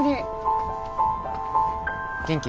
元気？